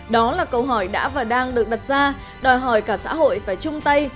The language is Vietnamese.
đó là câu hỏi đã và đang được đặt ra đòi hỏi cả xã hội phải chung tay